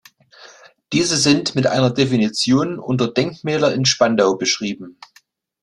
Diese sind mit einer Definition unter Denkmäler in Spandau beschrieben.